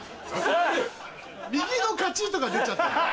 「右の勝ち」とか出ちゃってる。